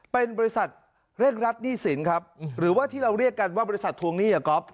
เป็นบริษัทเร่งรัดหนี้สินครับหรือว่าที่เราเรียกกันว่าบริษัททวงหนี้อ่ะก๊อฟ